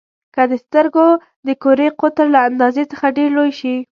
که د سترګو د کرې قطر له اندازې څخه ډېر لوی شي.